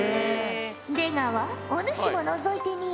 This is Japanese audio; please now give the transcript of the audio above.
出川お主ものぞいてみよ。